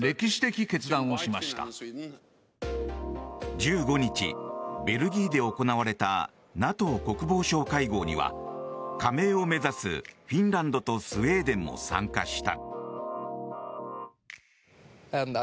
１５日、ベルギーで行われたＮＡＴＯ国防相会合には加盟を目指すフィンランドとスウェーデンも参加した。